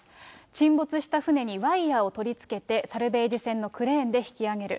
沈没した船にワイヤを取り付けて、サルベージ船のクレーンで引き揚げる。